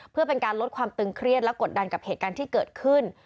เพื่อเป็นการลดความตึงเครียดและกดดันกับเหตุการณ์ที่เกิดขึ้น